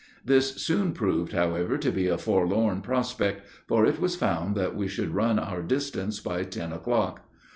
This soon proved, however, to be a forlorn prospect, for it was found that we should run our distance by ten o'clock.